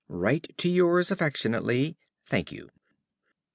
Write to yours affectionately, ~Thankyou.